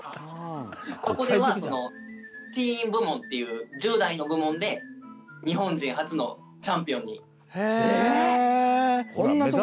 ここではティーン部門っていう１０代の部門で日本人初のチャンピオンに。へ！